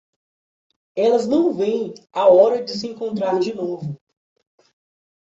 Elas não veem a hora de se encontrar de novo.